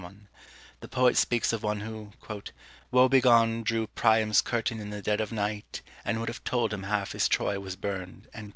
] The poet speaks of one who " woebegone Drew Priam's curtain in the dead of night, And would have told him half his Troy was burn'd."